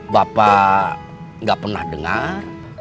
bapak enggak pernah dengar